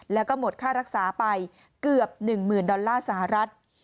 แล้วก็หมดค่ารักษาไปเกือบ๑๐๐๐ดอลลาร์สหรัฐ